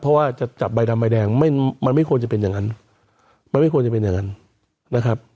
เพราะว่าจะจับใบดำใบแดงไม่มันไม่ควรจะเป็นอย่างนั้นมันไม่ควรจะเป็นอย่างนั้นนะครับ